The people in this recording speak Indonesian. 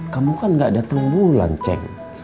kamu kan gak datang bulan ceng